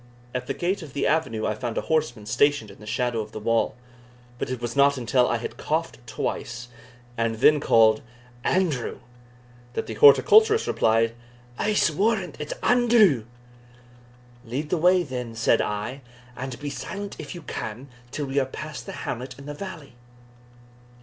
At the gate of the avenue I found a horseman stationed in the shadow of the wall, but it was not until I had coughed twice, and then called "Andrew," that the horticulturist replied, "I'se warrant it's Andrew." "Lead the way, then," said I, "and be silent if you can, till we are past the hamlet in the valley."